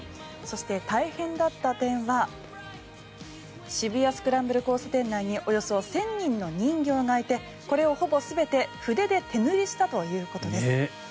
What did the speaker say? そして、大変だった点は渋谷・スクランブル交差点内におよそ１０００人の人形がいてこれをほぼ全て筆で手塗りしたということです。